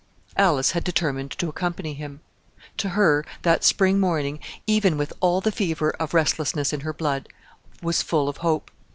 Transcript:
Alice had determined to accompany him. To her that spring morning, even with all the fever of restlessness in her blood, was full of hope.